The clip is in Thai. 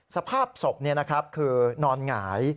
สภาพศพนี้นะครับคือนอนหงาย